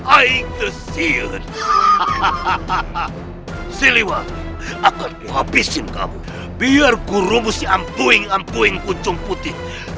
ayo kerahkan seluruh tenagamu siliwangi